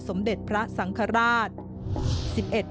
สมเด็จพระสังฆราช